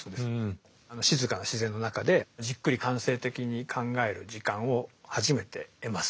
静かな自然の中でじっくり反省的に考える時間を初めて得ます。